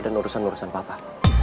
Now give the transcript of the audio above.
dan urusan urusan papa